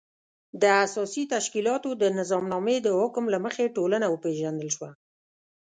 د اساسي تشکیلاتو د نظامنامې د حکم له مخې ټولنه وپېژندل شوه.